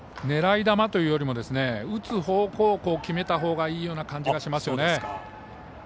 狙い球というよりも打つ方向を決めたほうがいいような感じがしますね。